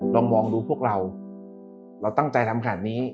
ลองมองดูพวกเราเราตั้งใจทำขนาดนี้